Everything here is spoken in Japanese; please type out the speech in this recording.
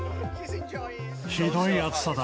ひどい暑さだ。